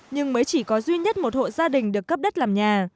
nhưng mới chỉ có duy nhất một hộ gia đình được cấp đất làm nhà